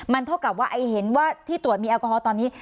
เท่ากับว่าไอ้เห็นว่าที่ตรวจมีแอลกอฮอลตอนนี้